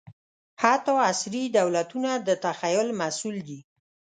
حتی عصري دولتونه د تخیل محصول دي.